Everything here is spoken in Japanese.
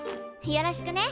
よろしくね。